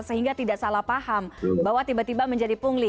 sehingga tidak salah paham bahwa tiba tiba menjadi pungli